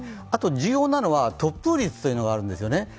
重要なのは突風率というのがあるんですね。